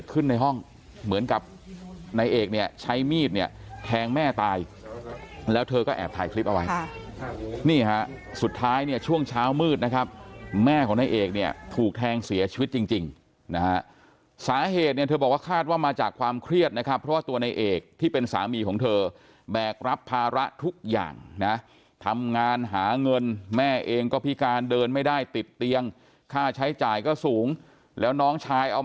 ขึ้นในห้องเหมือนกับในเอกเนี่ยใช้มีดเนี่ยแทงแม่ตายแล้วเธอก็แอบถ่ายคลิปเอาไว้นี่ค่ะสุดท้ายเนี่ยช่วงเช้ามืดนะครับแม่ของในเอกเนี่ยถูกแทงเสียชีวิตจริงนะฮะสาเหตุเนี่ยเธอบอกว่าคาดว่ามาจากความเครียดนะครับเพราะตัวในเอกที่เป็นสามีของเธอแบกรับภาระทุกอย่างนะทำงานหาเงินแม่เอง